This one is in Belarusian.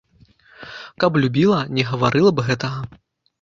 Каб любіла, не гаварыла б гэтага.